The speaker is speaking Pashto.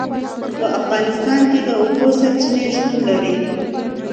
په افغانستان کې د اوبو سرچینې شتون لري.